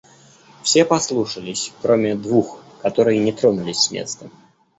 Все послушались, кроме двух, которые не тронулись с места.